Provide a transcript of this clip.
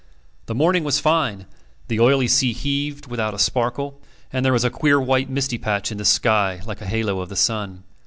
The morning was fine, the oily sea heaved without a sparkle, and there was a queer white misty patch in the sky like a halo of the sun.